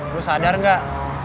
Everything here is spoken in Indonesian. lo sadar gak